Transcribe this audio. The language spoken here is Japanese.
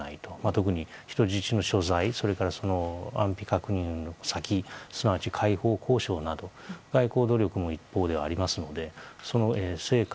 特に人質の所在それから、安否確認の先すなわち解放交渉など外交努力も、一方ではありますので、その成果